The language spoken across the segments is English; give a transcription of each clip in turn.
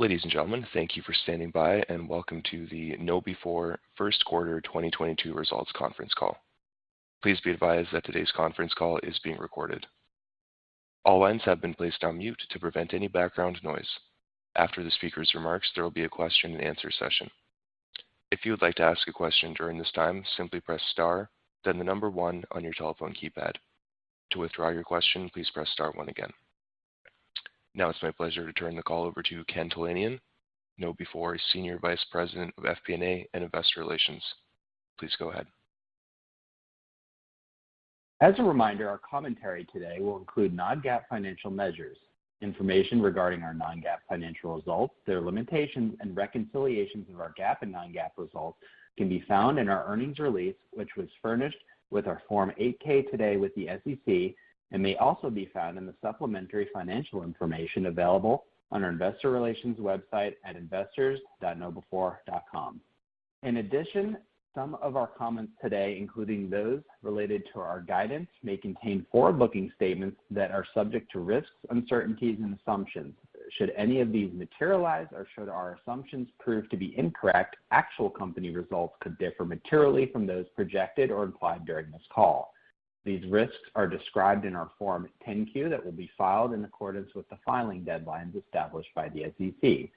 Ladies and gentlemen, thank you for standing by, and welcome to the KnowBe4 First Quarter 2022 Results Conference Call. Please be advised that today's conference call is being recorded. All lines have been placed on mute to prevent any background noise. After the speaker's remarks, there will be a question and answer session. If you would like to ask a question during this time, simply press star, then the number one on your telephone keypad. To withdraw your question, please press star one again. Now it's my pleasure to turn the call over to Ken Talanian, KnowBe4 Senior Vice President of FP&A and Investor Relations. Please go ahead. As a reminder, our commentary today will include non-GAAP financial measures. Information regarding our non-GAAP financial results, their limitations, and reconciliations of our GAAP and non-GAAP results can be found in our earnings release, which was furnished with our Form 8-K today with the SEC and may also be found in the supplementary financial information available on our investor relations website at investors.knowbe4.com. In addition, some of our comments today, including those related to our guidance, may contain forward-looking statements that are subject to risks, uncertainties, and assumptions. Should any of these materialize or should our assumptions prove to be incorrect, actual company results could differ materially from those projected or implied during this call. These risks are described in our Form 10-Q that will be filed in accordance with the filing deadlines established by the SEC.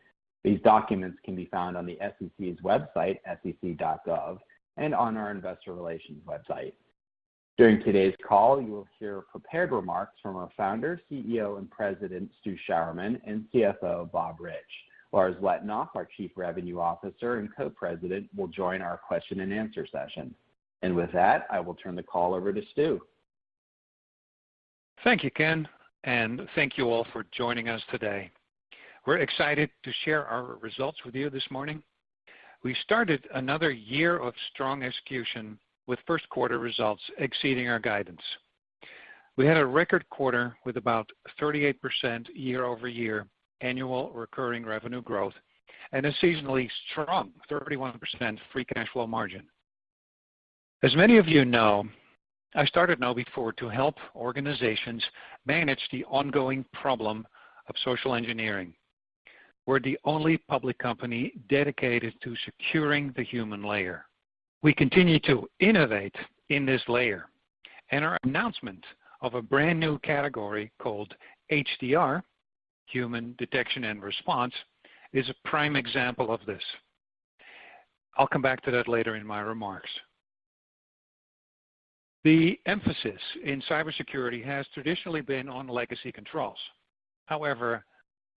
These documents can be found on the SEC's website, sec.gov, and on our investor relations website. During today's call, you will hear prepared remarks from our Founder, CEO, and President, Stu Sjouwerman, and CFO Bob Reich. Lars Letonoff, our Chief Revenue Officer and Co-President, will join our question and answer session. With that, I will turn the call over to Stu. Thank you, Ken, and thank you all for joining us today. We're excited to share our results with you this morning. We started another year of strong execution with first quarter results exceeding our guidance. We had a record quarter with about 38% year-over-year annual recurring revenue growth and a seasonally strong 31% free cash flow margin. As many of you know, I started KnowBe4 to help organizations manage the ongoing problem of social engineering. We're the only public company dedicated to securing the human layer. We continue to innovate in this layer, and our announcement of a brand new category called HDR, Human Detection and Response, is a prime example of this. I'll come back to that later in my remarks. The emphasis in cybersecurity has traditionally been on legacy controls. However,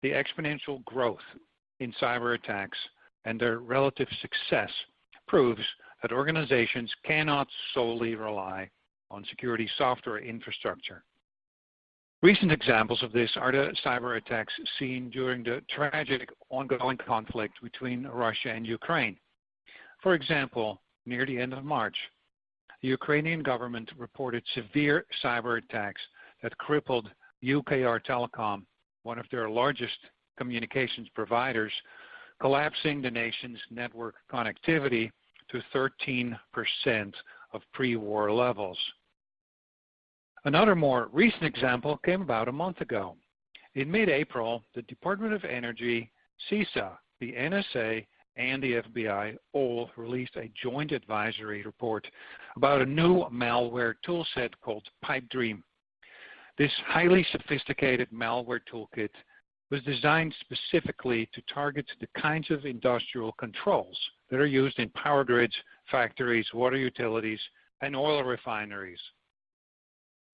the exponential growth in cyberattacks and their relative success proves that organizations cannot solely rely on security software infrastructure. Recent examples of this are the cyberattacks seen during the tragic ongoing conflict between Russia and Ukraine. For example, near the end of March, the Ukrainian government reported severe cyberattacks that crippled Ukrtelecom, one of their largest communications providers, collapsing the nation's network connectivity to 13% of pre-war levels. Another more recent example came about a month ago. In mid-April, the Department of Energy, CISA, the NSA, and the FBI all released a joint advisory report about a new malware toolset called PIPEDREAM. This highly sophisticated malware toolkit was designed specifically to target the kinds of industrial controls that are used in power grids, factories, water utilities, and oil refineries.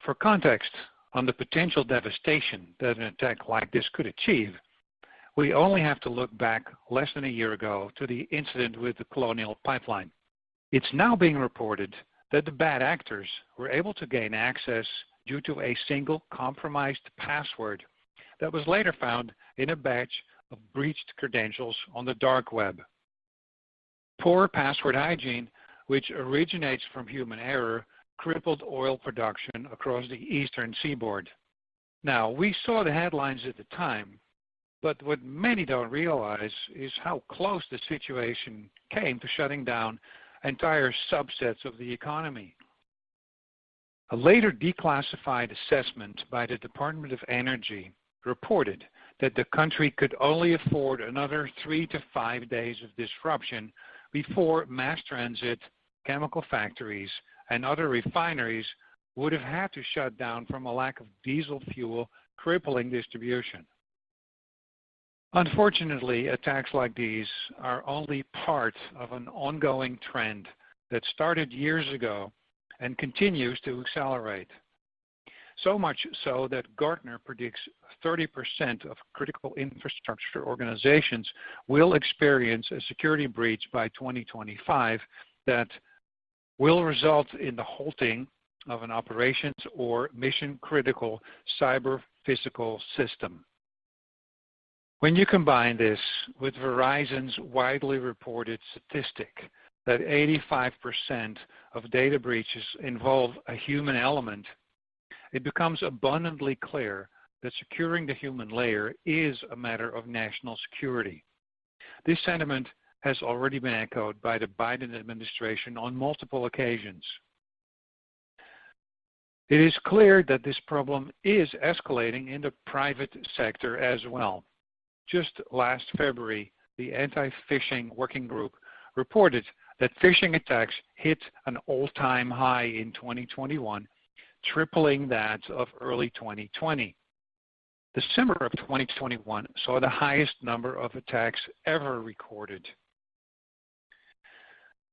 For context on the potential devastation that an attack like this could achieve, we only have to look back less than a year ago to the incident with the Colonial Pipeline. It's now being reported that the bad actors were able to gain access due to a single compromised password that was later found in a batch of breached credentials on the dark web. Poor password hygiene, which originates from human error, crippled oil production across the eastern seaboard. Now, we saw the headlines at the time, but what many don't realize is how close the situation came to shutting down entire subsets of the economy. A later declassified assessment by the Department of Energy reported that the country could only afford another three to five days of disruption before mass transit, chemical factories, and other refineries would have had to shut down from a lack of diesel fuel, crippling distribution. Unfortunately, attacks like these are only part of an ongoing trend that started years ago and continues to accelerate. So much so that Gartner predicts 30% of critical infrastructure organizations will experience a security breach by 2025 that will result in the halting of an operations or mission-critical cyber-physical system. When you combine this with Verizon's widely reported statistic that 85% of data breaches involve a human element, it becomes abundantly clear that securing the human layer is a matter of national security. This sentiment has already been echoed by the Biden administration on multiple occasions. It is clear that this problem is escalating in the private sector as well. Just last February, the Anti-Phishing Working Group reported that phishing attacks hit an all-time high in 2021, tripling that of early 2020. December of 2021 saw the highest number of attacks ever recorded.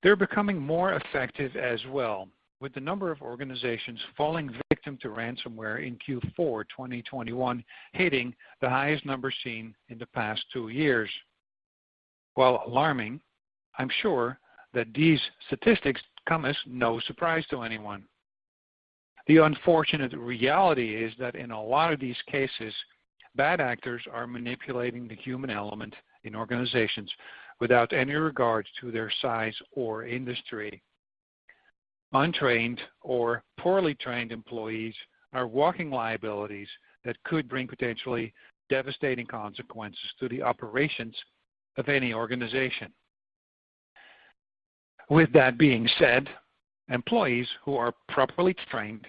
They're becoming more effective as well, with the number of organizations falling victim to ransomware in Q4 2021 hitting the highest number seen in the past two years. While alarming, I'm sure that these statistics come as no surprise to anyone. The unfortunate reality is that in a lot of these cases, bad actors are manipulating the human element in organizations without any regard to their size or industry. Untrained or poorly trained employees are walking liabilities that could bring potentially devastating consequences to the operations of any organization. With that being said, employees who are properly trained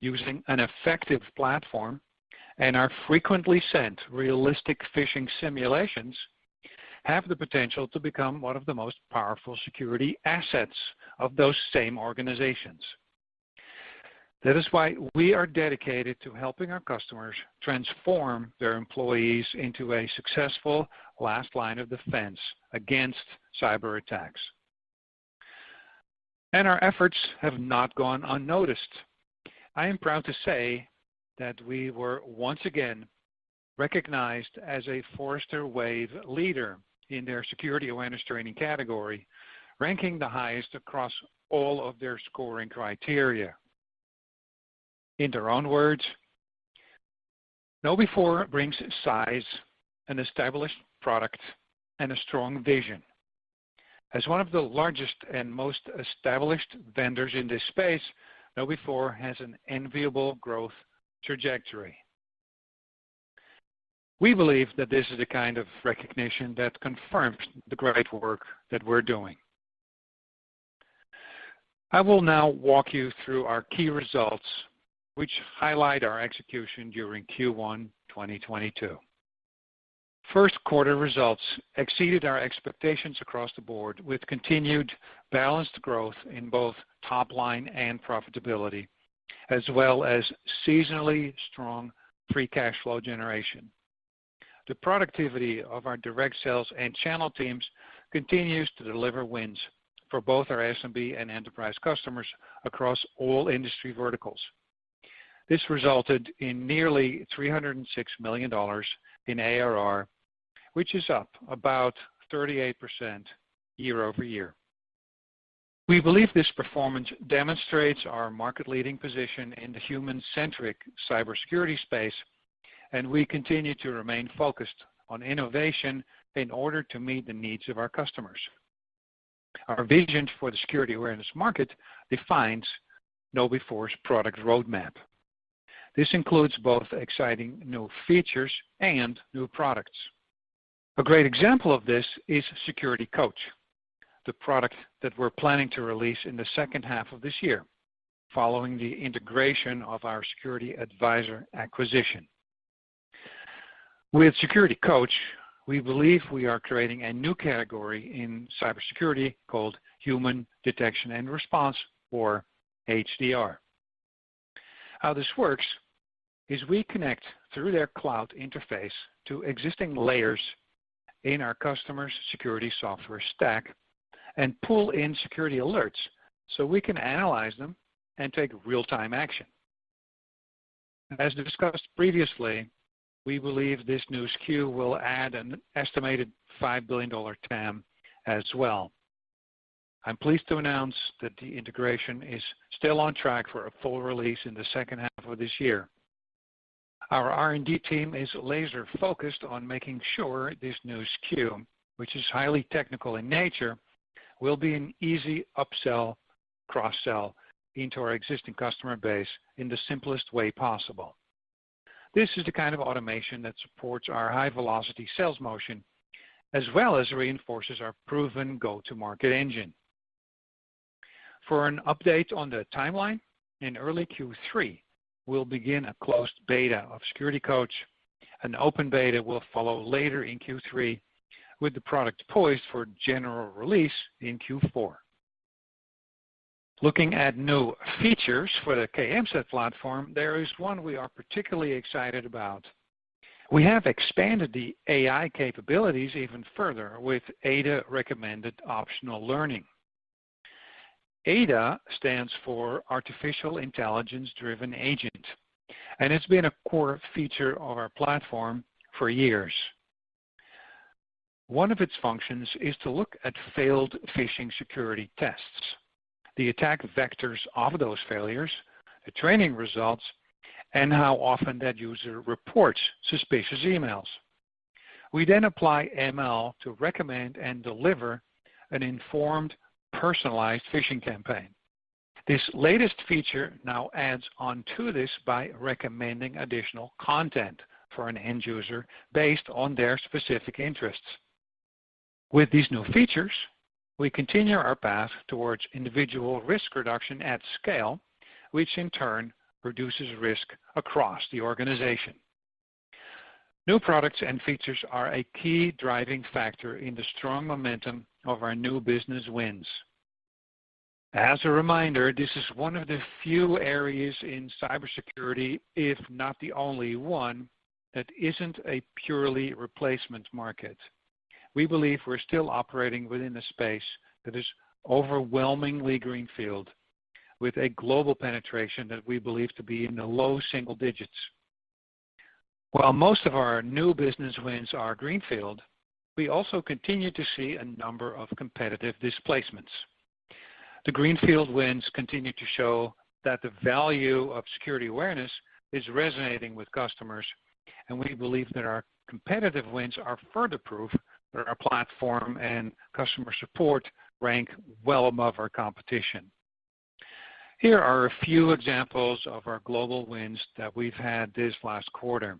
using an effective platform and are frequently sent realistic phishing simulations have the potential to become one of the most powerful security assets of those same organizations. That is why we are dedicated to helping our customers transform their employees into a successful last line of defense against cyber attacks. Our efforts have not gone unnoticed. I am proud to say that we were once again recognized as a Forrester Wave leader in their security awareness training category, ranking the highest across all of their scoring criteria. In their own words, "KnowBe4 brings size, an established product, and a strong vision. As one of the largest and most established vendors in this space, KnowBe4 has an enviable growth trajectory." We believe that this is the kind of recognition that confirms the great work that we're doing. I will now walk you through our key results which highlight our execution during Q1 2022. First quarter results exceeded our expectations across the board with continued balanced growth in both top line and profitability, as well as seasonally strong free cash flow generation. The productivity of our direct sales and channel teams continues to deliver wins for both our SMB and enterprise customers across all industry verticals. This resulted in nearly $306 million in ARR, which is up about 38% year-over-year. We believe this performance demonstrates our market-leading position in the human-centric cybersecurity space, and we continue to remain focused on innovation in order to meet the needs of our customers. Our vision for the security awareness market defines KnowBe4's product roadmap. This includes both exciting new features and new products. A great example of this is Security Coach, the product that we're planning to release in the second half of this year following the integration of our Security Advisor acquisition. With Security Coach, we believe we are creating a new category in cybersecurity called Human Detection and Response or HDR. How this works is we connect through their cloud interface to existing layers in our customers' security software stack and pull in security alerts so we can analyze them and take real-time action. As discussed previously, we believe this new SKU will add an estimated $5 billion TAM as well. I'm pleased to announce that the integration is still on track for a full release in the second half of this year. Our R&D team is laser-focused on making sure this new SKU, which is highly technical in nature, will be an easy upsell, cross-sell into our existing customer base in the simplest way possible. This is the kind of automation that supports our high-velocity sales motion as well as reinforces our proven go-to-market engine. For an update on the timeline, in early Q3, we'll begin a closed beta of SecurityCoach. An open beta will follow later in Q3 with the product poised for general release in Q4. Looking at new features for the KMSAT platform, there is one we are particularly excited about. We have expanded the AI capabilities even further with AIDA recommended optional learning. AIDA stands for Artificial Intelligence Driven Agent, and it's been a core feature of our platform for years. One of its functions is to look at failed phishing security tests, the attack vectors of those failures, the training results, and how often that user reports suspicious emails. We then apply ML to recommend and deliver an informed, personalized phishing campaign. This latest feature now adds on to this by recommending additional content for an end user based on their specific interests. With these new features, we continue our path towards individual risk reduction at scale, which in turn reduces risk across the organization. New products and features are a key driving factor in the strong momentum of our new business wins. As a reminder, this is one of the few areas in cybersecurity, if not the only one, that isn't a purely replacement market. We believe we're still operating within a space that is overwhelmingly greenfield, with a global penetration that we believe to be in the low single digits. While most of our new business wins are greenfield, we also continue to see a number of competitive displacements. The greenfield wins continue to show that the value of security awareness is resonating with customers, and we believe that our competitive wins are further proof that our platform and customer support rank well above our competition. Here are a few examples of our global wins that we've had this last quarter.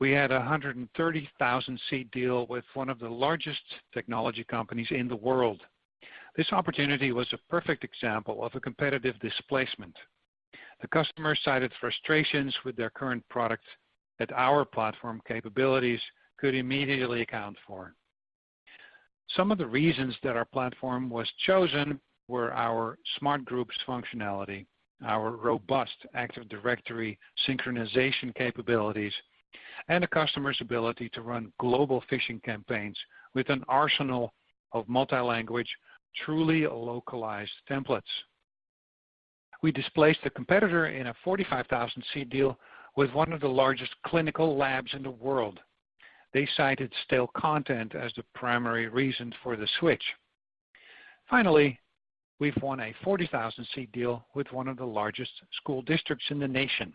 We had a 130,000-seat deal with one of the largest technology companies in the world. This opportunity was a perfect example of a competitive displacement. The customer cited frustrations with their current product that our platform capabilities could immediately account for. Some of the reasons that our platform was chosen were our smart groups functionality, our robust Active Directory synchronization capabilities, and the customer's ability to run global phishing campaigns with an arsenal of multi-language, truly localized templates. We displaced a competitor in a 45,000 seat deal with one of the largest clinical labs in the world. They cited stale content as the primary reason for the switch. Finally, we've won a 40,000 seat deal with one of the largest school districts in the nation.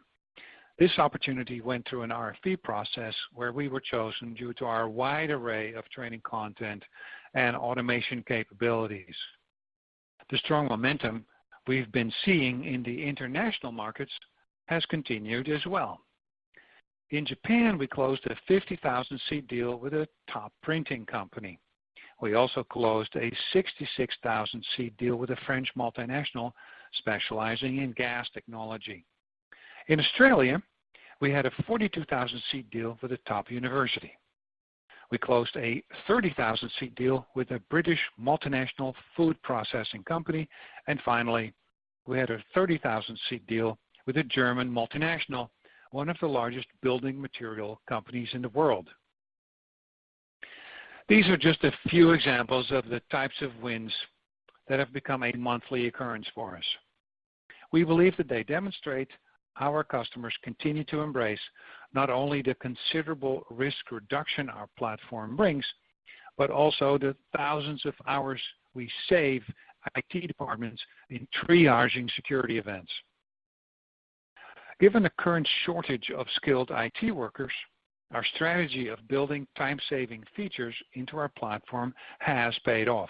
This opportunity went through an RFP process where we were chosen due to our wide array of training content and automation capabilities. The strong momentum we've been seeing in the international markets has continued as well. In Japan, we closed a 50,000-seat deal with a top printing company. We also closed a 66,000-seat deal with a French multinational specializing in gas technology. In Australia, we had a 42,000-seat deal with a top university. We closed a 30,000-seat deal with a British multinational food processing company. Finally, we had a 30,000-seat deal with a German multinational, one of the largest building material companies in the world. These are just a few examples of the types of wins that have become a monthly occurrence for us. We believe that they demonstrate how our customers continue to embrace not only the considerable risk reduction our platform brings, but also the thousands of hours we save IT departments in triaging security events. Given the current shortage of skilled IT workers, our strategy of building time-saving features into our platform has paid off.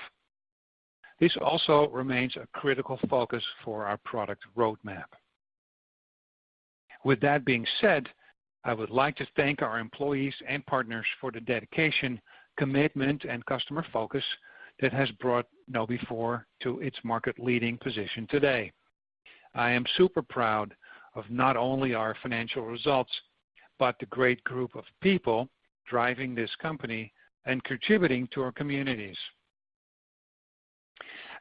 This also remains a critical focus for our product roadmap. With that being said, I would like to thank our employees and partners for the dedication, commitment, and customer focus that has brought KnowBe4 to its market-leading position today. I am super proud of not only our financial results, but the great group of people driving this company and contributing to our communities.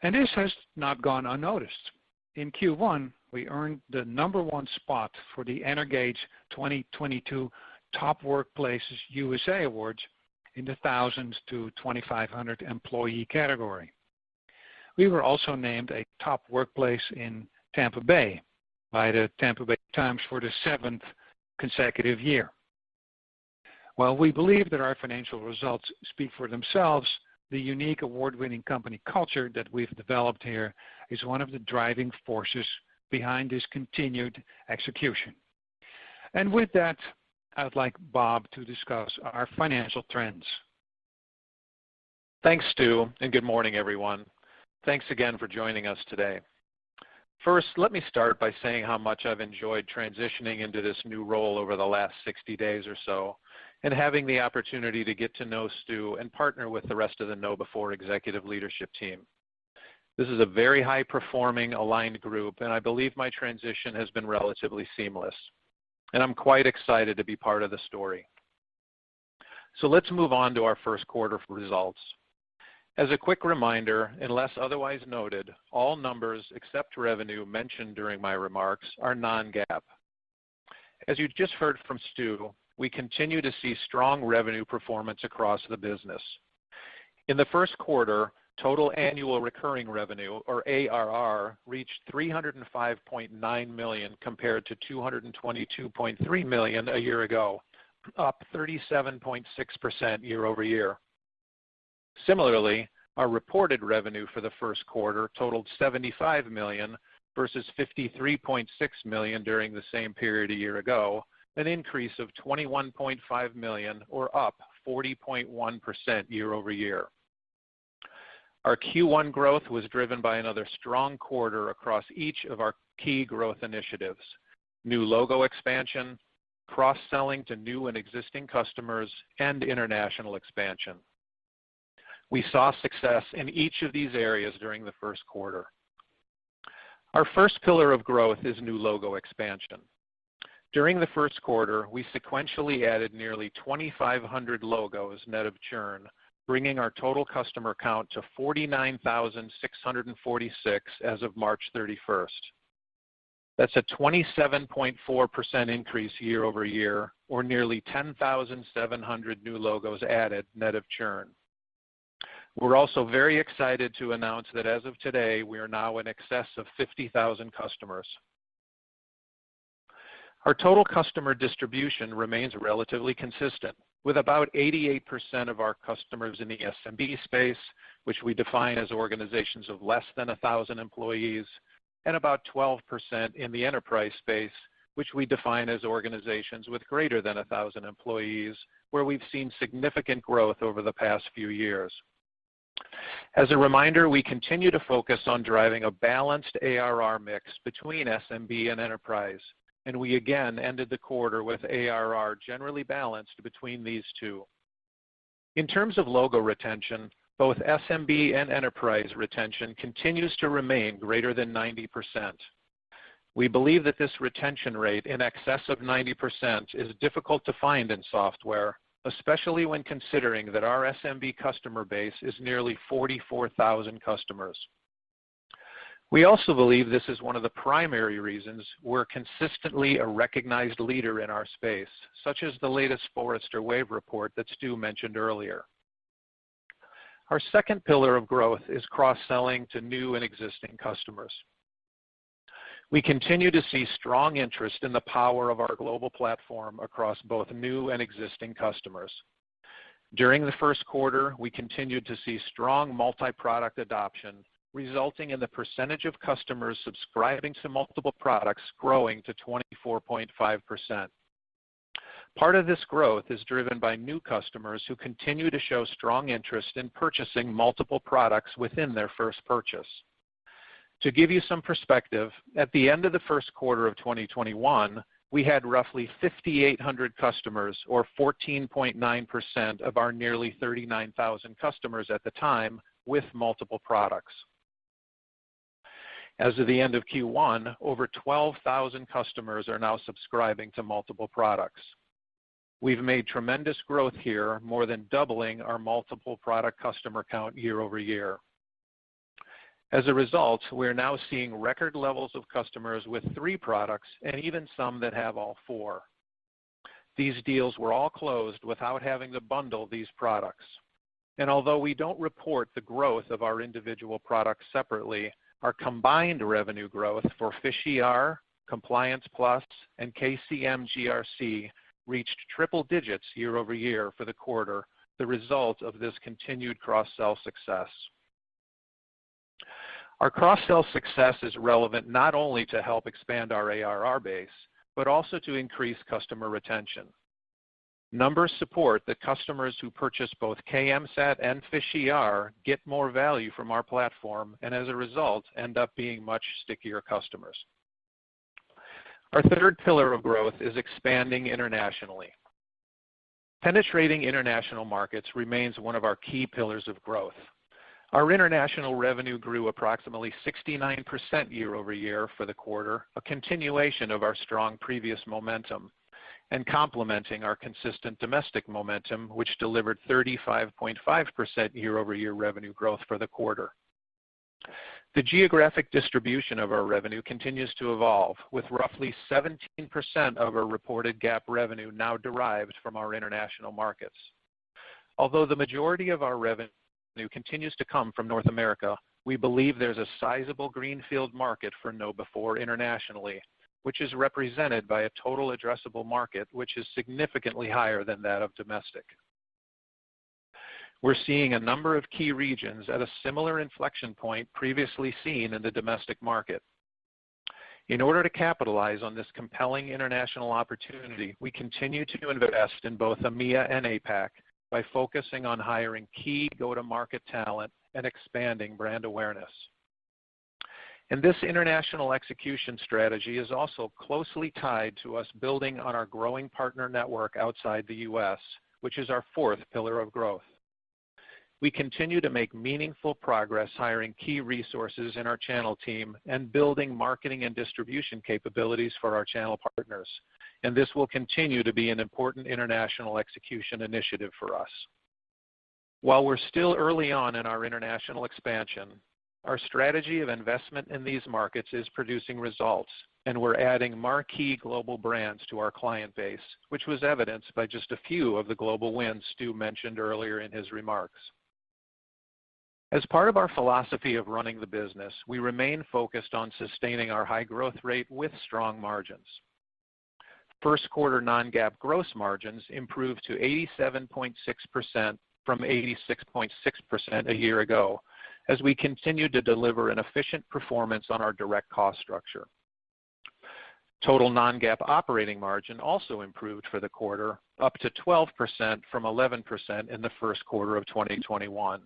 This has not gone unnoticed. In Q1, we earned the No. 1 spot for the Energage 2022 Top Workplaces USA Awards in the 1,000-2,500 employee category. We were also named a top workplace in Tampa Bay by the Tampa Bay Times for the seventh consecutive year. While we believe that our financial results speak for themselves, the unique award-winning company culture that we've developed here is one of the driving forces behind this continued execution. With that, I'd like Bob to discuss our financial trends. Thanks, Stu, and good morning, everyone. Thanks again for joining us today. First, let me start by saying how much I've enjoyed transitioning into this new role over the last 60 days or so and having the opportunity to get to know Stu and partner with the rest of the KnowBe4 executive leadership team. This is a very high-performing, aligned group, and I believe my transition has been relatively seamless, and I'm quite excited to be part of the story. Let's move on to our first quarter results. As a quick reminder, unless otherwise noted, all numbers except revenue mentioned during my remarks are non-GAAP. As you just heard from Stu, we continue to see strong revenue performance across the business. In the first quarter, total annual recurring revenue, or ARR, reached $305.9 million compared to $222.3 million a year ago, up 37.6% year-over-year. Similarly, our reported revenue for the first quarter totaled $75 million versus $53.6 million during the same period a year ago, an increase of $21.5 million or up 40.1% year-over-year. Our Q1 growth was driven by another strong quarter across each of our key growth initiatives, new logo expansion, cross-selling to new and existing customers, and international expansion. We saw success in each of these areas during the first quarter. Our first pillar of growth is new logo expansion. During the first quarter, we sequentially added nearly 2,500 logos net of churn, bringing our total customer count to 49,646 as of March 31. That's a 27.4% increase year-over-year, or nearly 10,700 new logos added net of churn. We're also very excited to announce that as of today, we are now in excess of 50,000 customers. Our total customer distribution remains relatively consistent, with about 88% of our customers in the SMB space, which we define as organizations of less than 1,000 employees, and about 12% in the enterprise space, which we define as organizations with greater than 1,000 employees, where we've seen significant growth over the past few years. As a reminder, we continue to focus on driving a balanced ARR mix between SMB and enterprise, and we again ended the quarter with ARR generally balanced between these two. In terms of logo retention, both SMB and enterprise retention continues to remain greater than 90%. We believe that this retention rate in excess of 90% is difficult to find in software, especially when considering that our SMB customer base is nearly 44,000 customers. We also believe this is one of the primary reasons we're consistently a recognized leader in our space, such as the latest Forrester Wave report that Stu mentioned earlier. Our second pillar of growth is cross-selling to new and existing customers. We continue to see strong interest in the power of our global platform across both new and existing customers. During the first quarter, we continued to see strong multi-product adoption, resulting in the percentage of customers subscribing to multiple products growing to 24.5%. Part of this growth is driven by new customers who continue to show strong interest in purchasing multiple products within their first purchase. To give you some perspective, at the end of the first quarter of 2021, we had roughly 5,800 customers or 14.9% of our nearly 39,000 customers at the time with multiple products. As of the end of Q1, over 12,000 customers are now subscribing to multiple products. We've made tremendous growth here, more than doubling our multiple product customer count year-over-year. As a result, we are now seeing record levels of customers with three products and even some that have all four. These deals were all closed without having to bundle these products. Although we don't report the growth of our individual products separately, our combined revenue growth for PhishER, Compliance Plus, and KCM GRC reached triple digits year over year for the quarter, the result of this continued cross-sell success. Our cross-sell success is relevant not only to help expand our ARR base, but also to increase customer retention. Numbers support that customers who purchase both KMSAT and PhishER get more value from our platform, and as a result, end up being much stickier customers. Our third pillar of growth is expanding internationally. Penetrating international markets remains one of our key pillars of growth. Our international revenue grew approximately 69% year-over-year for the quarter, a continuation of our strong previous momentum, and complementing our consistent domestic momentum, which delivered 35.5% year-over-year revenue growth for the quarter. The geographic distribution of our revenue continues to evolve, with roughly 17% of our reported GAAP revenue now derived from our international markets. Although the majority of our revenue continues to come from North America, we believe there's a sizable greenfield market for KnowBe4 internationally, which is represented by a total addressable market which is significantly higher than that of domestic. We're seeing a number of key regions at a similar inflection point previously seen in the domestic market. In order to capitalize on this compelling international opportunity, we continue to invest in both EMEA and APAC by focusing on hiring key go-to-market talent and expanding brand awareness. This international execution strategy is also closely tied to us building on our growing partner network outside the U.S., which is our fourth pillar of growth. We continue to make meaningful progress hiring key resources in our channel team and building marketing and distribution capabilities for our channel partners, and this will continue to be an important international execution initiative for us. While we're still early on in our international expansion, our strategy of investment in these markets is producing results, and we're adding marquee global brands to our client base, which was evidenced by just a few of the global wins Stu mentioned earlier in his remarks. As part of our philosophy of running the business, we remain focused on sustaining our high growth rate with strong margins. First quarter non-GAAP gross margins improved to 87.6% from 86.6% a year ago, as we continue to deliver an efficient performance on our direct cost structure. Total non-GAAP operating margin also improved for the quarter, up to 12% from 11% in the first quarter of 2021.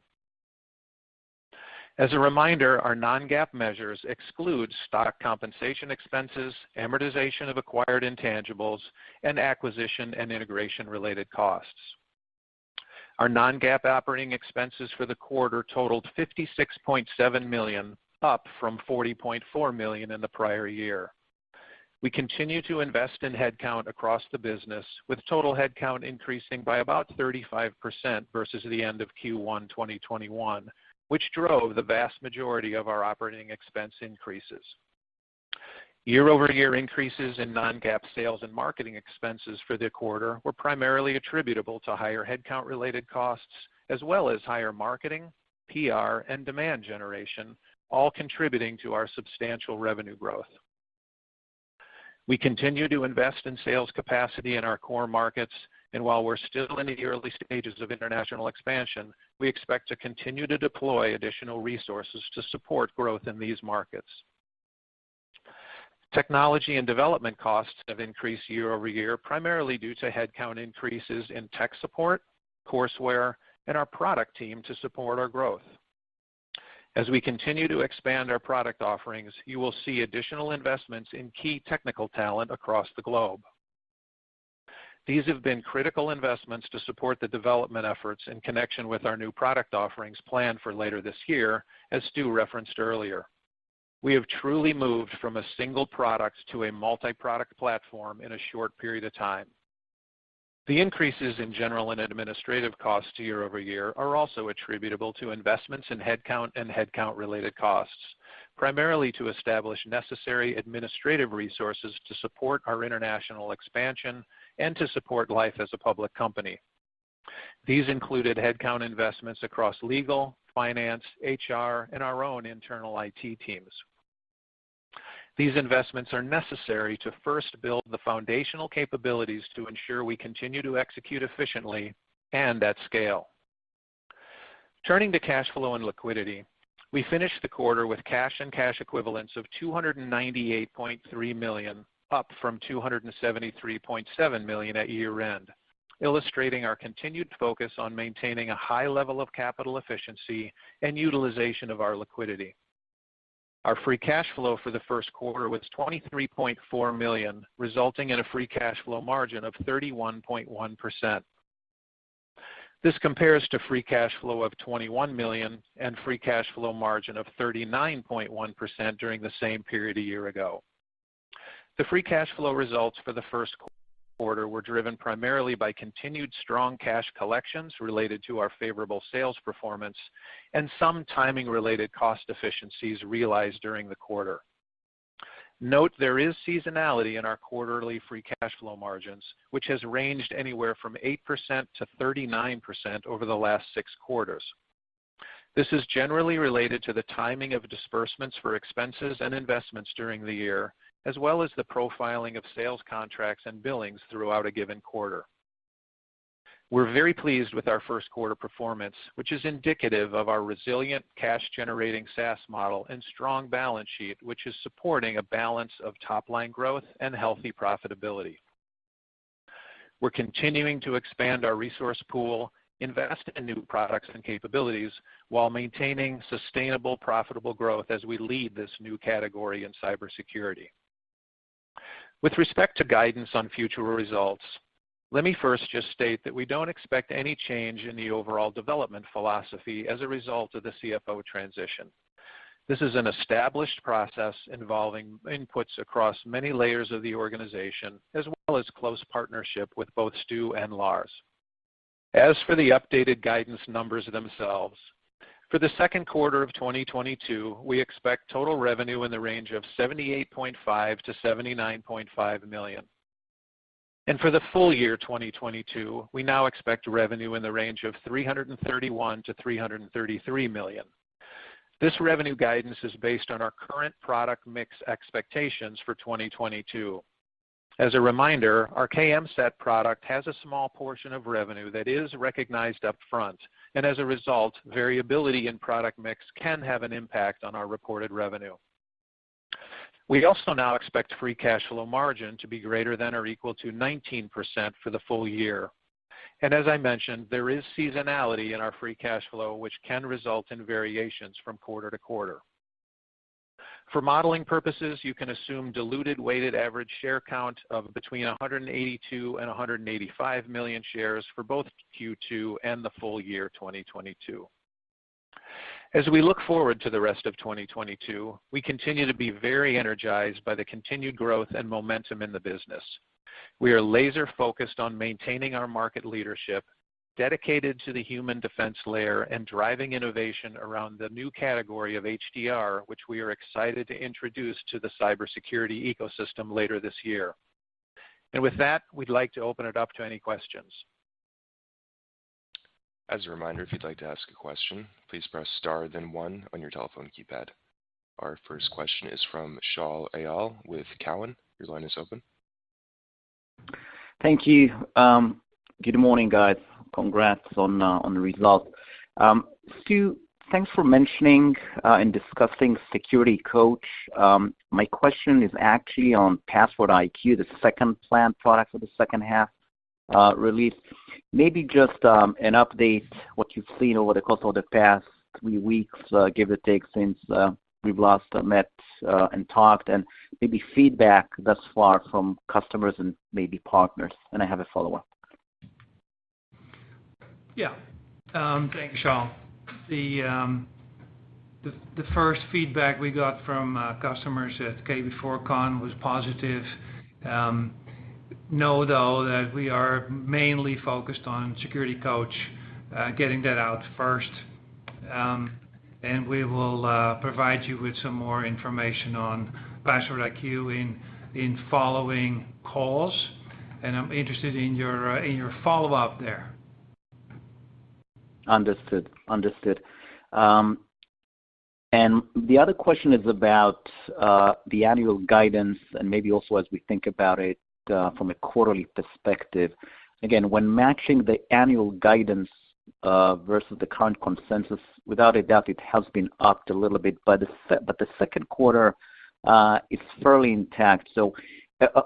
As a reminder, our non-GAAP measures exclude stock compensation expenses, amortization of acquired intangibles, and acquisition and integration-related costs. Our non-GAAP operating expenses for the quarter totaled $56.7 million, up from $40.4 million in the prior year. We continue to invest in headcount across the business, with total headcount increasing by about 35% versus the end of Q1 2021, which drove the vast majority of our operating expense increases. Year-over-year increases in non-GAAP sales and marketing expenses for the quarter were primarily attributable to higher headcount related costs as well as higher marketing, PR, and demand generation, all contributing to our substantial revenue growth. We continue to invest in sales capacity in our core markets, and while we're still in the early stages of international expansion, we expect to continue to deploy additional resources to support growth in these markets. Technology and development costs have increased year-over-year, primarily due to headcount increases in tech support, courseware, and our product team to support our growth. As we continue to expand our product offerings, you will see additional investments in key technical talent across the globe. These have been critical investments to support the development efforts in connection with our new product offerings planned for later this year, as Stu referenced earlier. We have truly moved from a single product to a multi-product platform in a short period of time. The increases in general and administrative costs year-over-year are also attributable to investments in headcount and headcount-related costs, primarily to establish necessary administrative resources to support our international expansion and to support life as a public company. These included headcount investments across legal, finance, HR, and our own internal IT teams. These investments are necessary to first build the foundational capabilities to ensure we continue to execute efficiently and at scale. Turning to cash flow and liquidity, we finished the quarter with cash and cash equivalents of $298.3 million, up from $273.7 million at year-end, illustrating our continued focus on maintaining a high level of capital efficiency and utilization of our liquidity. Our free cash flow for the first quarter was $23.4 million, resulting in a free cash flow margin of 31.1%. This compares to free cash flow of $21 million and free cash flow margin of 39.1% during the same period a year ago. The free cash flow results for the first quarter were driven primarily by continued strong cash collections related to our favorable sales performance and some timing related cost efficiencies realized during the quarter. Note there is seasonality in our quarterly free cash flow margins, which has ranged anywhere from 8% to 39% over the last 6 quarters. This is generally related to the timing of disbursements for expenses and investments during the year, as well as the profiling of sales contracts and billings throughout a given quarter. We're very pleased with our first quarter performance, which is indicative of our resilient cash-generating SaaS model and strong balance sheet, which is supporting a balance of top-line growth and healthy profitability. We're continuing to expand our resource pool, invest in new products and capabilities while maintaining sustainable, profitable growth as we lead this new category in cybersecurity. With respect to guidance on future results, let me first just state that we don't expect any change in the overall development philosophy as a result of the CFO transition. This is an established process involving inputs across many layers of the organization, as well as close partnership with both Stu and Lars. As for the updated guidance numbers themselves, for the second quarter of 2022, we expect total revenue in the range of $78.5 million-$79.5 million. For the full year 2022, we now expect revenue in the range of $331 million-$333 million. This revenue guidance is based on our current product mix expectations for 2022. As a reminder, our KMSAT product has a small portion of revenue that is recognized upfront. As a result, variability in product mix can have an impact on our reported revenue. We also now expect free cash flow margin to be greater than or equal to 19% for the full year. As I mentioned, there is seasonality in our free cash flow, which can result in variations from quarter to quarter. For modeling purposes, you can assume diluted weighted average share count of between 182 and 185 million shares for both Q2 and the full year 2022. As we look forward to the rest of 2022, we continue to be very energized by the continued growth and momentum in the business. We are laser-focused on maintaining our market leadership, dedicated to the human defense layer and driving innovation around the new category of HDR, which we are excited to introduce to the cybersecurity ecosystem later this year. With that, we'd like to open it up to any questions. As a reminder, if you'd like to ask a question, please press star then one on your telephone keypad. Our first question is from Shaul Eyal with Cowen. Your line is open. Thank you. Good morning, guys. Congrats on the results. Stu, thanks for mentioning and discussing SecurityCoach. My question is actually on PasswordIQ, the second planned product for the second half release. Maybe just an update what you've seen over the course of the past three weeks, give or take since we've last met and talked, and maybe feedback thus far from customers and maybe partners. I have a follow-up. Thanks, Shaul. The first feedback we got from customers at KB4-CON was positive. You know, though, that we are mainly focused on SecurityCoach, getting that out first. We will provide you with some more information on PasswordIQ in following calls. I'm interested in your follow-up there. Understood. The other question is about the annual guidance and maybe also as we think about it from a quarterly perspective. Again, when matching the annual guidance versus the current consensus, without a doubt, it has been upped a little bit by the SEC, but the second quarter is fairly intact.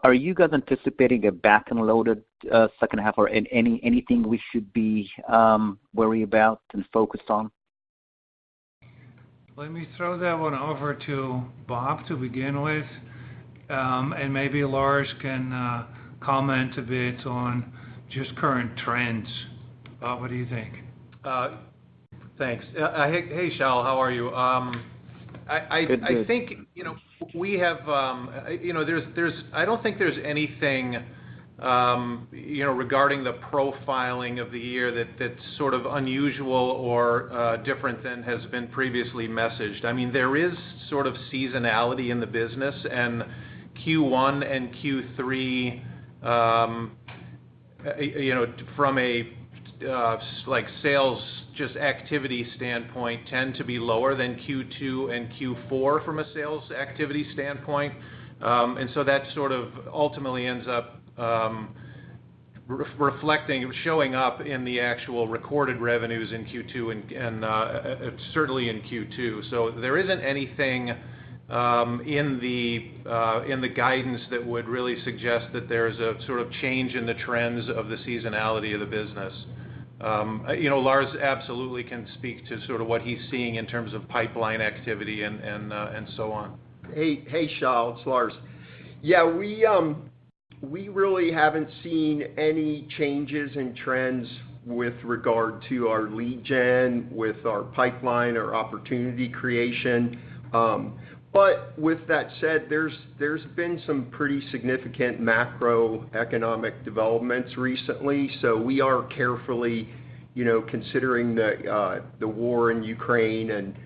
Are you guys anticipating a back-loaded second half or anything we should be worried about and focused on? Let me throw that one over to Bob to begin with. Maybe Lars can comment a bit on just current trends. Bob, what do you think? Thanks. Hey, hey, Shaul. How are you? I think Good. Good I don't think there's anything, you know, regarding the profile of the year that's sort of unusual or different than has been previously messaged. I mean, there is sort of seasonality in the business and Q1 and Q3, you know, from a like sales activity standpoint tend to be lower than Q2 and Q4 from a sales activity standpoint. That sort of ultimately ends up reflecting, showing up in the actual recorded revenues in Q2 and certainly in Q4. There isn't anything in the guidance that would really suggest that there's a sort of change in the trends of the seasonality of the business. You know, Lars absolutely can speak to sort of what he's seeing in terms of pipeline activity and so on. Hey, hey, Shaul. It's Lars. Yeah, we really haven't seen any changes in trends with regard to our lead gen, with our pipeline or opportunity creation. With that said, there's been some pretty significant macroeconomic developments recently. We are carefully, you know, considering the war in Ukraine and,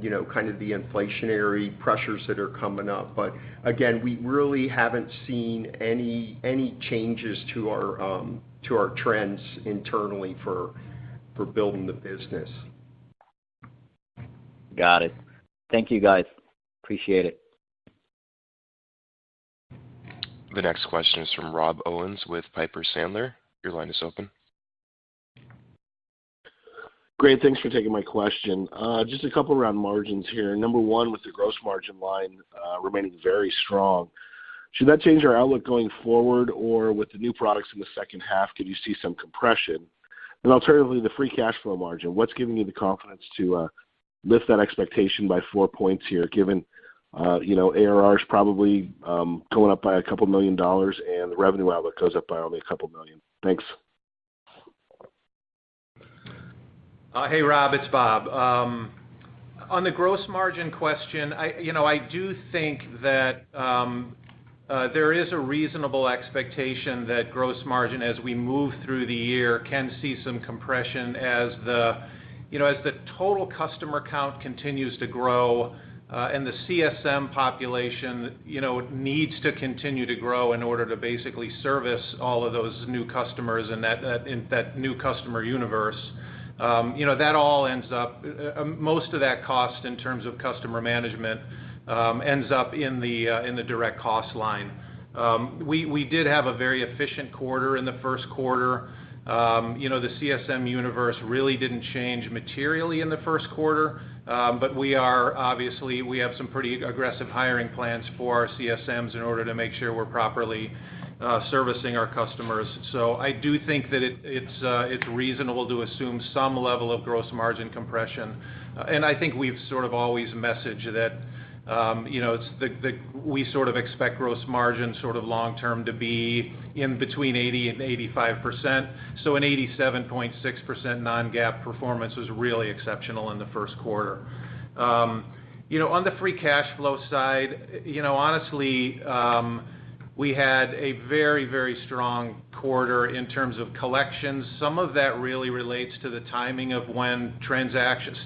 you know, kind of the inflationary pressures that are coming up. Again, we really haven't seen any changes to our trends internally for building the business. Got it. Thank you, guys. Appreciate it. The next question is from Rob Owens with Piper Sandler. Your line is open. Great. Thanks for taking my question. Just a couple around margins here. Number one, with the gross margin line remaining very strong, should that change our outlook going forward? Or with the new products in the second half, could you see some compression? Alternatively, the free cash flow margin, what's giving you the confidence to lift that expectation by four points here, given you know ARRs probably going up by a couple million dollar and the revenue outlook goes up by only a couple million dollar? Thanks. Hey, Rob. It's Bob. On the gross margin question, you know, I do think that there is a reasonable expectation that gross margin, as we move through the year, can see some compression as the, you know, as the total customer count continues to grow, and the CSM population, you know, needs to continue to grow in order to basically service all of those new customers and that new customer universe. You know, that all ends up, most of that cost in terms of customer management, ends up in the direct cost line. We did have a very efficient quarter in the first quarter. You know, the CSM universe really didn't change materially in the first quarter. We have some pretty aggressive hiring plans for our CSMs in order to make sure we're properly servicing our customers. I do think that it's reasonable to assume some level of gross margin compression. I think we've sort of always messaged that, you know, we sort of expect gross margin long-term to be in between 80%-85%. An 87.6% non-GAAP performance was really exceptional in the first quarter. You know, on the free cash flow side, you know, honestly, we had a very, very strong quarter in terms of collections. Some of that really relates to the timing of when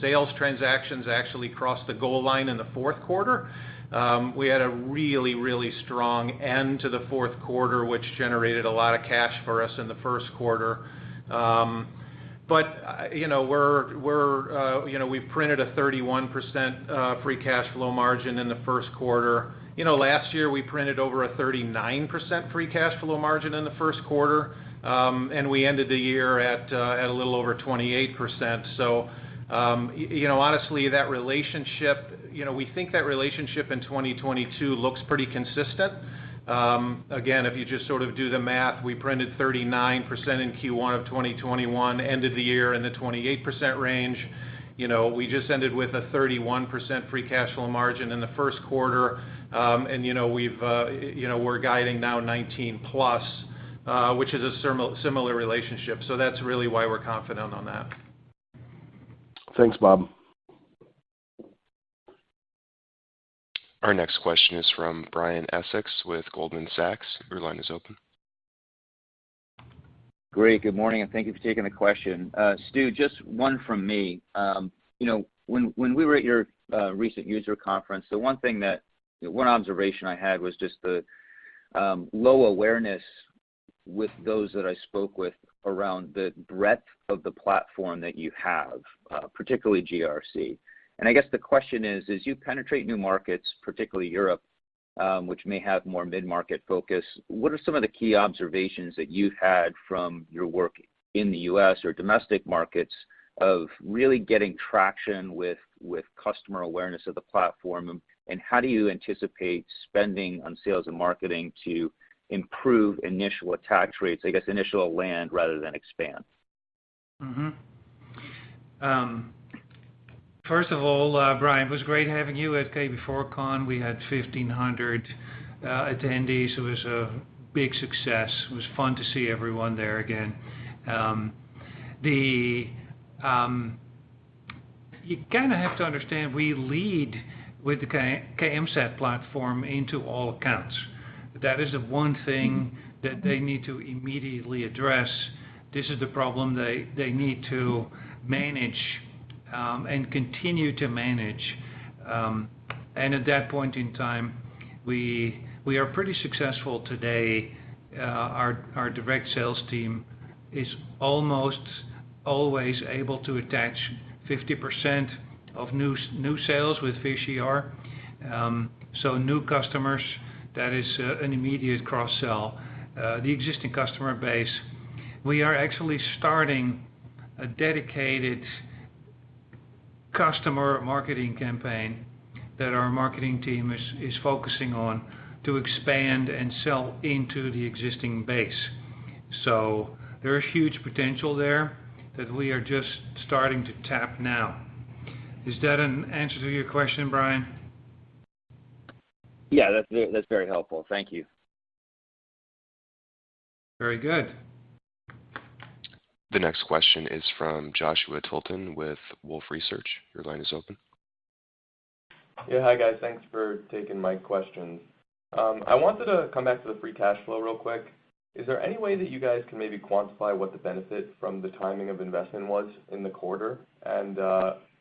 sales transactions actually crossed the goal line in the fourth quarter. We had a really strong end to the fourth quarter, which generated a lot of cash for us in the first quarter. You know, we've printed a 31% free cash flow margin in the first quarter. You know, last year, we printed over a 39% free cash flow margin in the first quarter, and we ended the year at a little over 28%. You know, honestly, that relationship, you know, we think that relationship in 2022 looks pretty consistent. Again, if you just sort of do the math, we printed 39% in Q1 of 2021, ended the year in the 28% range. You know, we just ended with a 31% free cash flow margin in the first quarter. you know, we've you know, we're guiding now 19+, which is a similar relationship. That's really why we're confident on that. Thanks, Bob. Our next question is from Brian Essex with Goldman Sachs. Your line is open. Great. Good morning, and thank you for taking the question. Stu, just one from me. You know, when we were at your recent user conference, one observation I had was just the low awareness with those that I spoke with around the breadth of the platform that you have, particularly GRC. I guess the question is, as you penetrate new markets, particularly Europe, which may have more mid-market focus, what are some of the key observations that you've had from your work in the U.S. or domestic markets of really getting traction with customer awareness of the platform, and how do you anticipate spending on sales and marketing to improve initial attach rates, I guess, initial land rather than expand? First of all, Brian, it was great having you at KB4-CON. We had 1,500 attendees. It was a big success. It was fun to see everyone there again. You kinda have to understand, we lead with the KMSAT platform into all accounts. That is the one thing that they need to immediately address. This is the problem they need to manage, and continue to manage. And at that point in time, we are pretty successful today. Our direct sales team is almost always able to attach 50% of new sales with PhishER. So new customers, that is, an immediate cross sell. The existing customer base, we are actually starting a dedicated customer marketing campaign that our marketing team is focusing on to expand and sell into the existing base. There are huge potential there that we are just starting to tap now. Is that an answer to your question, Brian? Yeah, that's very helpful. Thank you. Very good. The next question is from Joshua Tilton with Wolfe Research. Your line is open. Yeah. Hi, guys. Thanks for taking my questions. I wanted to come back to the free cash flow real quick. Is there any way that you guys can maybe quantify what the benefit from the timing of investment was in the quarter?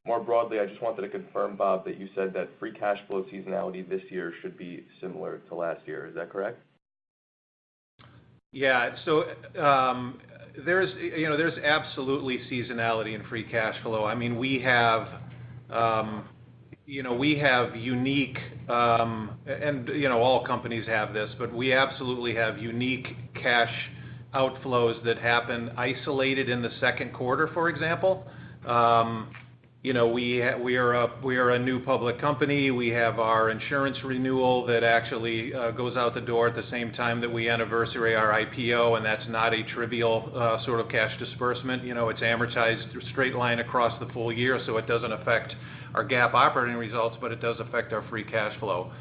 More broadly, I just wanted to confirm, Bob, that you said that free cash flow seasonality this year should be similar to last year. Is that correct? Yeah. So, there's absolutely seasonality in free cash flow. I mean, we have, you know, we have unique. You know, all companies have this, but we absolutely have unique cash outflows that happen isolated in the second quarter, for example. You know, we are a new public company. We have our insurance renewal that actually goes out the door at the same time that we anniversary our IPO, and that's not a trivial sort of cash disbursement. You know, it's amortized through straight line across the full year, so it doesn't affect our GAAP operating results, but it does affect our free cash flow.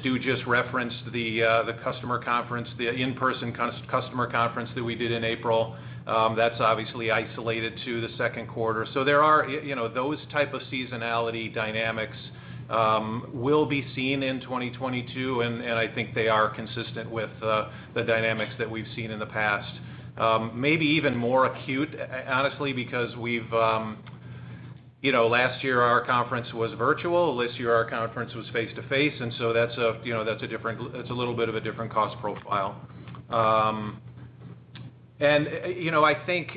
Stu just referenced the customer conference, the in-person customer conference that we did in April. That's obviously isolated to the second quarter. There are. You know, those type of seasonality dynamics will be seen in 2022, and I think they are consistent with the dynamics that we've seen in the past. Maybe even more acute, honestly, because we've. You know, last year our conference was virtual. This year, our conference was face-to-face, and so that's a, you know, that's a different, it's a little bit of a different cost profile. You know, I think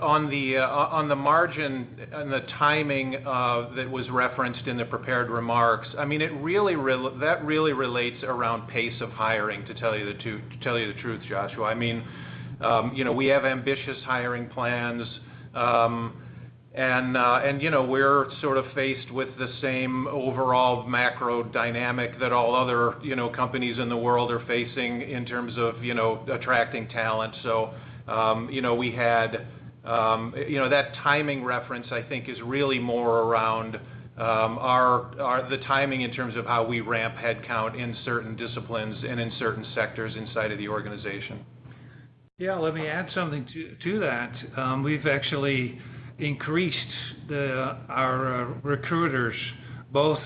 on the margin and the timing of that was referenced in the prepared remarks, I mean, that really relates around pace of hiring, to tell you the truth, Joshua. I mean, you know, we have ambitious hiring plans. You know, we're sort of faced with the same overall macro dynamic that all other, you know, companies in the world are facing in terms of, you know, attracting talent. You know, we had you know, that timing reference, I think, is really more around the timing in terms of how we ramp headcount in certain disciplines and in certain sectors inside of the organization. Yeah. Let me add something to that. We've actually increased our recruiters, both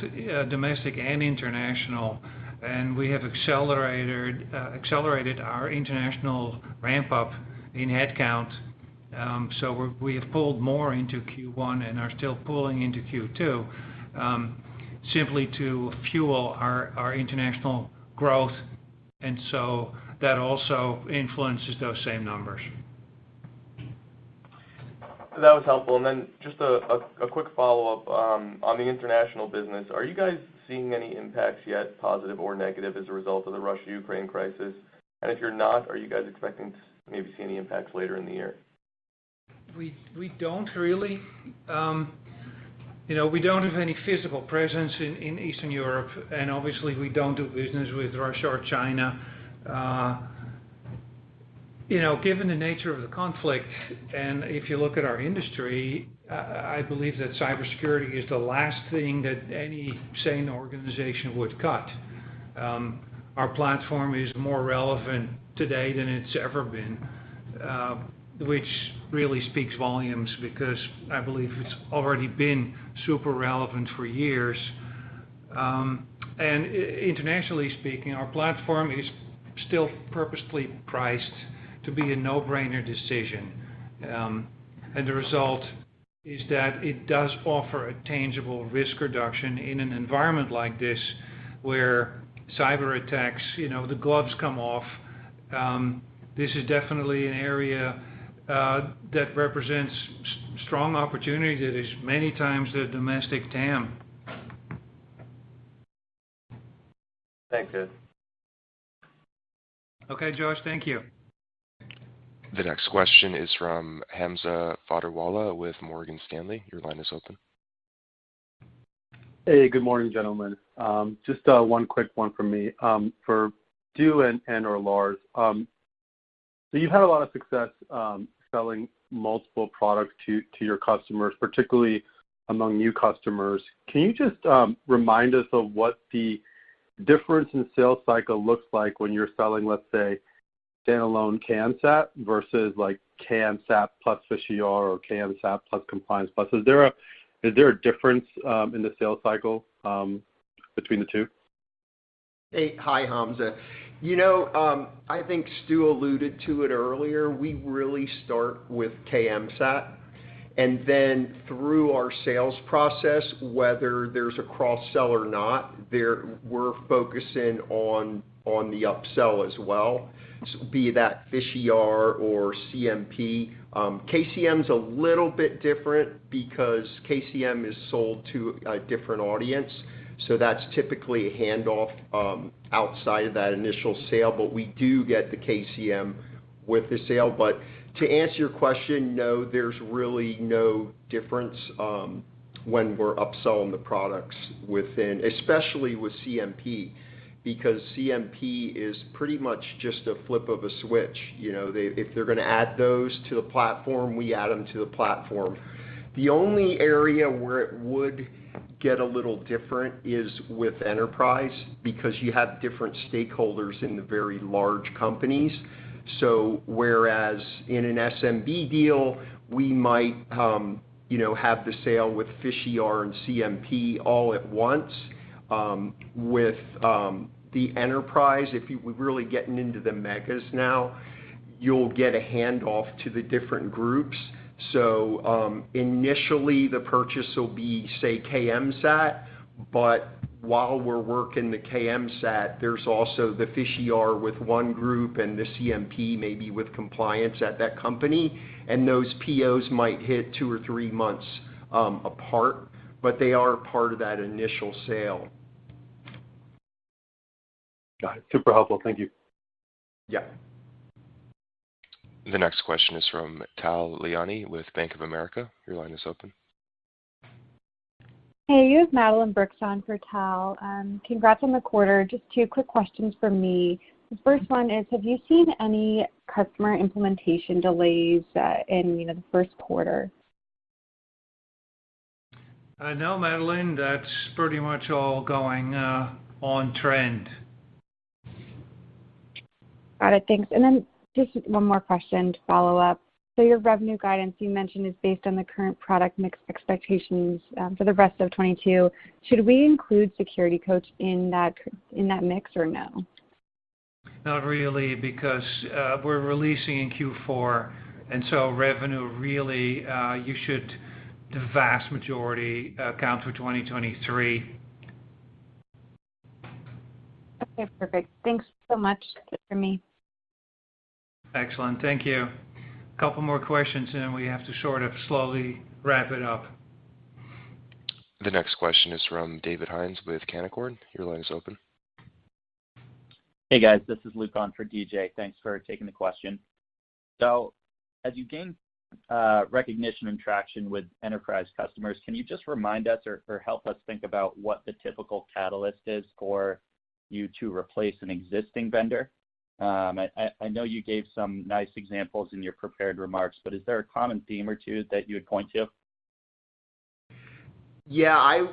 domestic and international, and we have accelerated our international ramp-up in headcount. We have pulled more into Q1 and are still pulling into Q2, simply to fuel our international growth. That also influences those same numbers. That was helpful. Just a quick follow-up on the international business. Are you guys seeing any impacts yet, positive or negative, as a result of the Russia-Ukraine crisis? If you're not, are you guys expecting to maybe see any impacts later in the year? We don't really. You know, we don't have any physical presence in Eastern Europe, and obviously we don't do business with Russia or China. You know, given the nature of the conflict, and if you look at our industry, I believe that cybersecurity is the last thing that any sane organization would cut. Our platform is more relevant today than it's ever been, which really speaks volumes because I believe it's already been super relevant for years. Internationally speaking, our platform is still purposefully priced to be a no-brainer decision. The result is that it does offer a tangible risk reduction in an environment like this, where cyberattacks, you know, the gloves come off. This is definitely an area that represents strong opportunity that is many times the domestic TAM. Thanks, Stu. Okay, Joshua. Thank you. The next question is from Hamza Fodderwala with Morgan Stanley. Your line is open. Hey, good morning, gentlemen. Just one quick one from me. For Stu and/or Lars. You've had a lot of success selling multiple products to your customers, particularly among new customers. Can you just remind us of what the difference in sales cycle looks like when you're selling, let's say, standalone KMSAT versus, like, KMSAT plus PhishER or KMSAT plus Compliance? Is there a difference in the sales cycle between the two? Hey. Hi, Hamza. I think Stu alluded to it earlier. We really start with KMSAT. Through our sales process, whether there's a cross-sell or not, we're focusing on the upsell as well, such as PhishER or CMP. KCM's a little bit different because KCM is sold to a different audience, so that's typically a handoff outside of that initial sale, but we do get the KCM with the sale. To answer your question, no, there's really no difference when we're upselling the products within. Especially with CMP, because CMP is pretty much just a flip of a switch. You know, if they're gonna add those to the platform, we add them to the platform. The only area where it would get a little different is with enterprise, because you have different stakeholders in the very large companies. Whereas in an SMB deal, we might, you know, have the sale with PhishER and CMP all at once, with the enterprise, we're really getting into the megas now, you'll get a handoff to the different groups. Initially, the purchase will be, say, KMSAT, but while we're working the KMSAT, there's also the PhishER with one group and the CMP maybe with compliance at that company, and those POs might hit two or three months apart, but they are part of that initial sale. Got it. Super helpful. Thank you. Yeah. The next question is from Tal Liani with Bank of America. Your line is open. Hey, you have Madeline Brooks on for Tal. Congrats on the quarter. Just two quick questions from me. The first one is, have you seen any customer implementation delays in, you know, the first quarter? No, Madeline. That's pretty much all going on trend. Got it. Thanks. Just one more question to follow up. Your revenue guidance, you mentioned, is based on the current product mix expectations for the rest of 2022. Should we include SecurityCoach in that mix or no? Not really, because we're releasing in Q4, and so revenue really you should the vast majority count for 2023. Okay, perfect. Thanks so much. That's it for me. Excellent. Thank you. Couple more questions and then we have to sort of slowly wrap it up. The next question is from David Hynes with Canaccord. Your line is open. Hey, guys. This is Luke on for DJ. Thanks for taking the question. As you gain recognition and traction with enterprise customers, can you just remind us or help us think about what the typical catalyst is for you to replace an existing vendor? I know you gave some nice examples in your prepared remarks, but is there a common theme or two that you would point to? Yeah,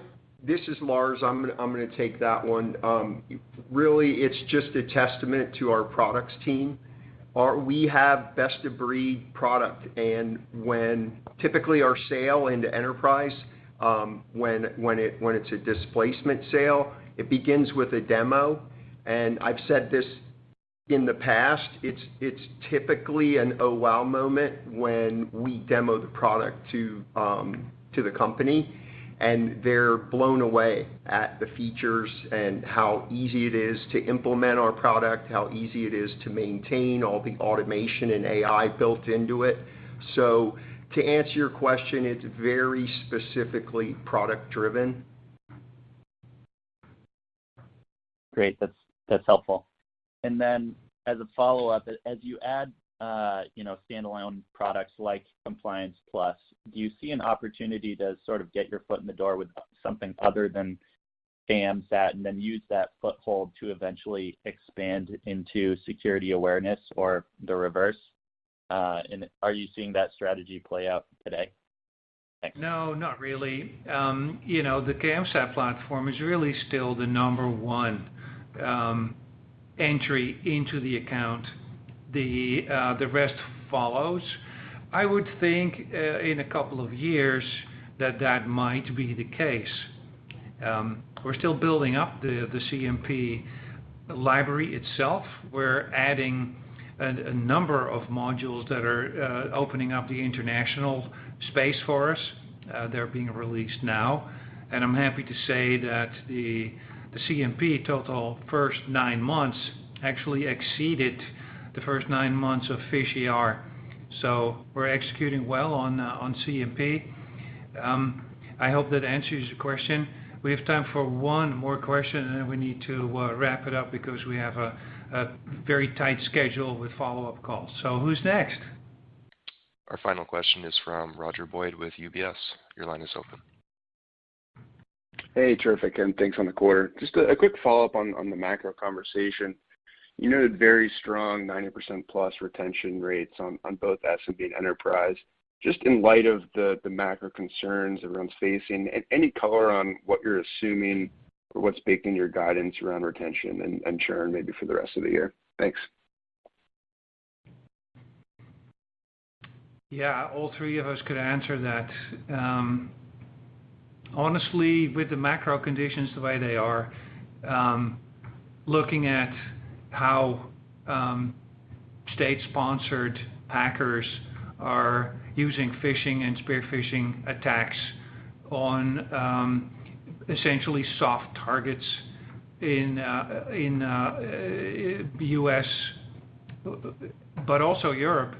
this is Lars. I'm gonna take that one. Really, it's just a testament to our products team. We have best-of-breed product. Typically, our sales into enterprise, when it's a displacement sale, it begins with a demo. I've said this in the past, it's typically an oh, wow moment when we demo the product to the company, and they're blown away at the features and how easy it is to implement our product, how easy it is to maintain all the automation and AI built into it. To answer your question, it's very specifically product-driven. Great. That's helpful. As a follow-up, as you add, you know, standalone products like Compliance Plus, do you see an opportunity to sort of get your foot in the door with something other than KMSAT and then use that foothold to eventually expand into security awareness or the reverse? Are you seeing that strategy play out today? Thanks. No, not really. You know, the KMSAT platform is really still the number one entry into the account. The rest follows. I would think in a couple of years that that might be the case. We're still building up the KCM library itself. We're adding a number of modules that are opening up the international space for us. They're being released now. I'm happy to say that the KCM total first nine months actually exceeded the first nine months of PhishER. We're executing well on KCM. I hope that answers your question. We have time for one more question, and then we need to wrap it up because we have a very tight schedule with follow-up calls. Who's next? Our final question is from Roger Boyd with UBS. Your line is open. Hey, terrific, and thanks on the quarter. Just a quick follow-up on the macro conversation. You noted very strong 90+% retention rates on both SMB and enterprise. Just in light of the macro concerns everyone's facing, any color on what you're assuming or what's baking your guidance around retention and churn maybe for the rest of the year? Thanks. Yeah. All three of us could answer that. Honestly, with the macro conditions the way they are, looking at how state-sponsored hackers are using phishing and spear phishing attacks on essentially soft targets in the U.S., but also Europe,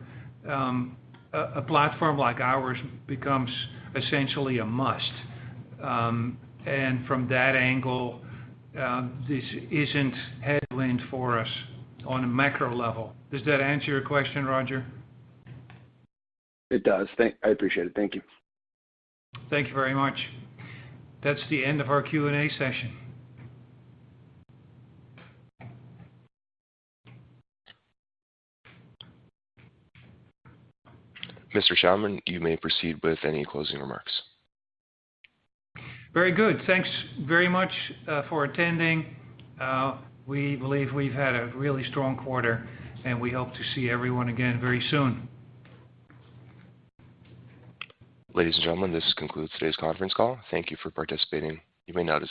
a platform like ours becomes essentially a must. From that angle, this isn't a headwind for us on a macro level. Does that answer your question, Roger? It does. I appreciate it. Thank you. Thank you very much. That's the end of our Q&A session. Mr. Sjouwerman, you may proceed with any closing remarks. Very good. Thanks very much for attending. We believe we've had a really strong quarter, and we hope to see everyone again very soon. Ladies and gentlemen, this concludes today's conference call. Thank you for participating. You may now disconnect.